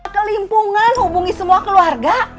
kelimpungan hubungi semua keluarga